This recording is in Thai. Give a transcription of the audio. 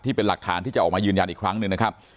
เป็นหลักฐานที่จะออกมายืนยันอีกครั้งหนึ่งนะครับ